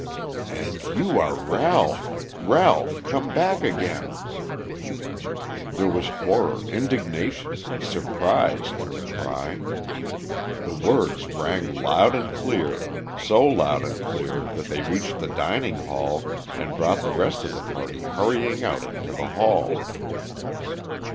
"And you are Ralph, Ralph, come back again!" There was horror, indignation, surprise in the cry. The words rang loud and clear, so loud and clear that they reached the dining hall and brought the rest of the party hurrying out into the hall.